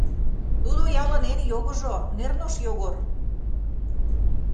Тудо — ялын эн йогыжо, Нернош Йогор.